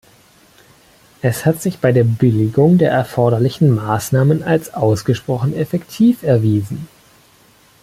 Es hat sich bei der Billigung der erforderlichen Maßnahmen als ausgesprochen effektiv erwiesen.